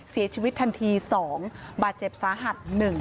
เสียชีวิตทันที๒บาดเจ็บสาหัส๑